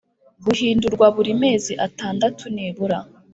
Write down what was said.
guhindurwa buri mezi atandatu nibura